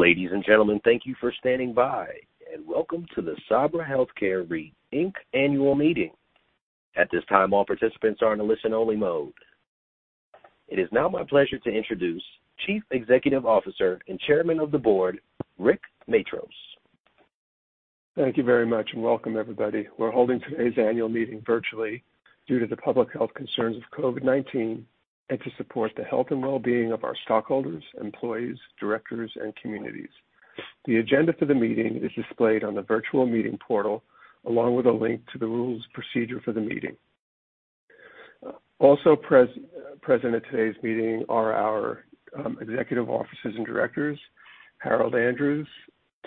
Ladies and gentlemen, thank you for standing by, welcome to the Sabra Health Care REIT Inc Annual Meeting. At this time, all participants are in a listen-only mode. It is now my pleasure to introduce Chief Executive Officer and Chairman of the Board, Rick Matros. Thank you very much, and welcome everybody. We're holding today's annual meeting virtually due to the public health concerns of COVID-19 and to support the health and wellbeing of our stockholders, employees, directors, and communities. The agenda for the meeting is displayed on the virtual meeting portal, along with a link to the rules of procedure for the meeting. Also present at today's meeting are our executive officers and directors, Harold Andrews,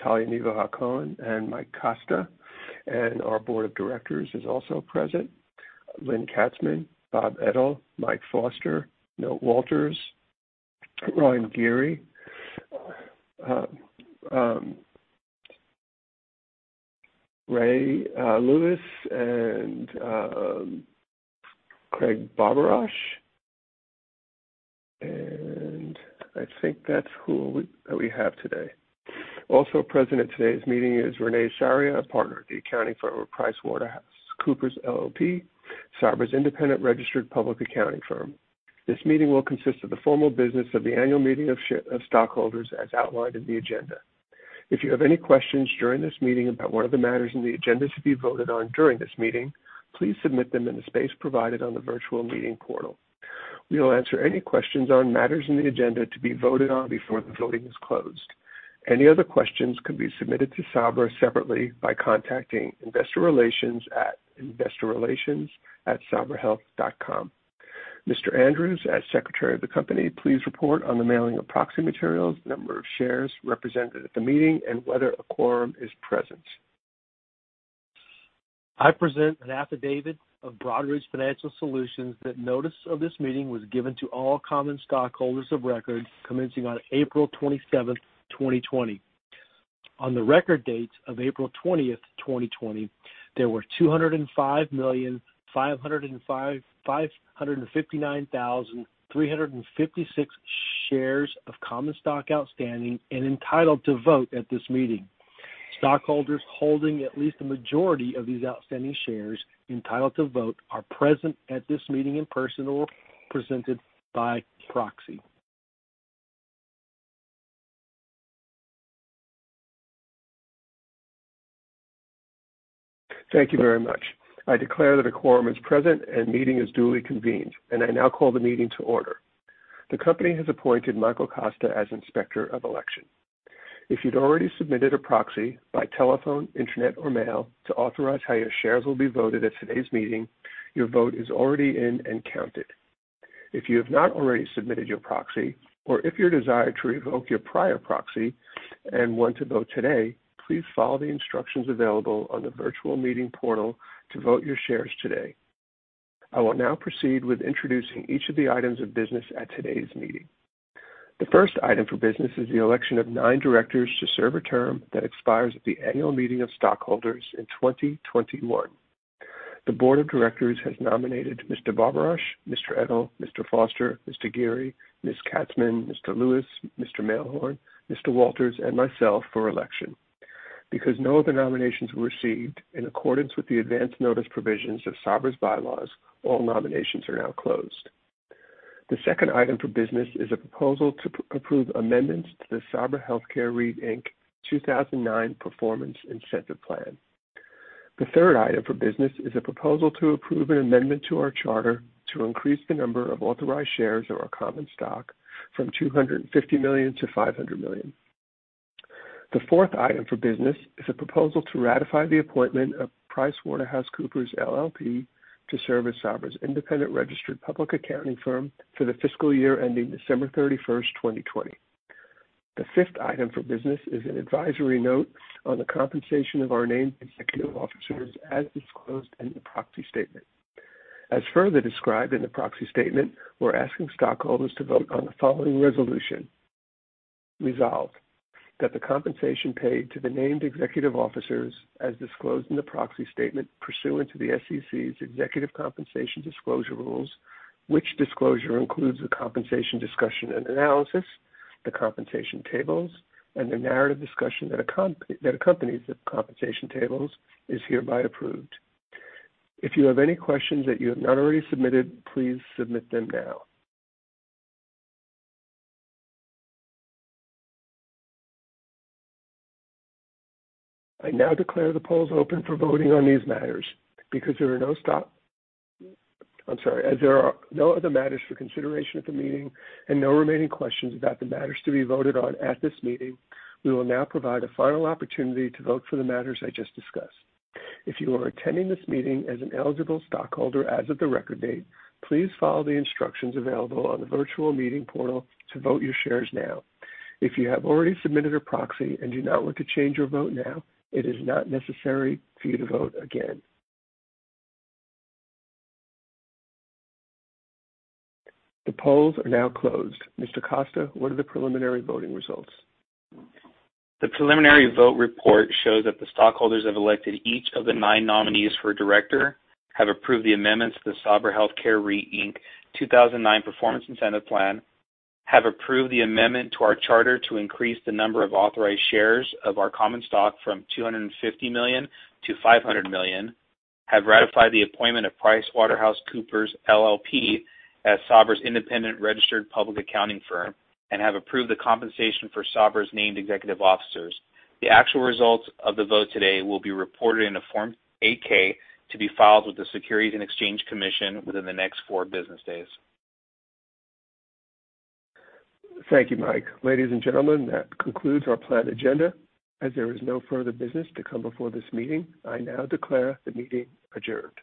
Talya Nevo-Hacohen, and Mike Costa. Our board of directors is also present. Lynne Katzmann, Bob Ettl, Mike Foster, Milt Walters, Ron Geary, Ray Lewis, and Craig Barbarosh. I think that's who we have today. Also present at today's meeting is Renee Sarria, a partner at the accounting firm of PricewaterhouseCoopers LLP, Sabra's independent registered public accounting firm. This meeting will consist of the formal business of the annual meeting of stockholders as outlined in the agenda. If you have any questions during this meeting about one of the matters in the agenda to be voted on during this meeting, please submit them in the space provided on the virtual meeting portal. We will answer any questions on matters in the agenda to be voted on before the voting is closed. Any other questions can be submitted to Sabra separately by contacting investor relations at investorrelations@sabrahealth.com. Mr. Andrews, as Secretary of the company, please report on the mailing of proxy materials, number of shares represented at the meeting, and whether a quorum is present. I present an affidavit of Broadridge Financial Solutions that Notice of this Meeting was given to all common stockholders of record commencing on April 27th, 2020. On the record date of April 20th, 2020, there were 205,559,356 shares of common stock outstanding and entitled to vote at this meeting. Stockholders holding at least a majority of these outstanding shares entitled to vote are present at this meeting in person or presented by proxy. Thank you very much. I declare that a quorum is present and meeting is duly convened, and I now call the meeting to order. The company has appointed Michael Costa as Inspector of Election. If you'd already submitted a proxy by telephone, internet, or mail to authorize how your shares will be voted at today's meeting, your vote is already in and counted. If you have not already submitted your proxy or if you desire to revoke your prior proxy and want to vote today, please follow the instructions available on the virtual meeting portal to vote your shares today. I will now proceed with introducing each of the items of business at today's meeting. The first item for business is the election of nine directors to serve a term that expires at the Annual Meeting of Stockholders in 2021. The board of directors has nominated Mr. Barbarosh, Mr. Ettl, Mr. Foster, Mr. Geary, Ms. Katzmann, Mr. Lewis, Mr. Malehorn, Mr. Walters, and myself for election. Because no other nominations were received in accordance with the advance notice provisions of Sabra's bylaws, all nominations are now closed. The second item for business is a proposal to approve amendments to the Sabra Health Care REIT, Inc 2009 Performance Incentive Plan. The third item for business is a proposal to approve an amendment to our charter to increase the number of authorized shares of our common stock from 250 million to 500 million. The fourth item for business is a proposal to ratify the appointment of PricewaterhouseCoopers LLP to serve as Sabra's independent registered public accounting firm for the fiscal year ending December 31st, 2020. The fifth item for business is an advisory note on the compensation of our named executive officers as disclosed in the proxy statement. As further described in the proxy statement, we're asking stockholders to vote on the following resolution. Resolved, that the compensation paid to the named executive officers as disclosed in the proxy statement pursuant to the SEC's Executive Compensation Disclosure Rules, which disclosure includes the compensation discussion and analysis, the compensation tables, and the narrative discussion that accompanies the compensation tables, is hereby approved. If you have any questions that you have not already submitted, please submit them now. I now declare the polls open for voting on these matters. I'm sorry. As there are no other matters for consideration at the meeting and no remaining questions about the matters to be voted on at this meeting, we will now provide a final opportunity to vote for the matters I just discussed. If you are attending this meeting as an eligible stockholder as of the record date, please follow the instructions available on the virtual meeting portal to vote your shares now. If you have already submitted a proxy and do not want to change your vote now, it is not necessary for you to vote again. The polls are now closed. Mr. Costa, what are the preliminary voting results? The preliminary vote report shows that the stockholders have elected each of the nine nominees for director, have approved the amendments to the Sabra Health Care REIT, Inc 2009 Performance Incentive Plan, have approved the amendment to our charter to increase the number of authorized shares of our common stock from 250 million to 500 million, have ratified the appointment of PricewaterhouseCoopers LLP as Sabra's independent registered public accounting firm, and have approved the compensation for Sabra's named executive officers. The actual results of the vote today will be reported in a Form 8-K to be filed with the Securities and Exchange Commission within the next four business days. Thank you, Mike. Ladies and gentlemen, that concludes our planned agenda. As there is no further business to come before this meeting, I now declare the meeting adjourned.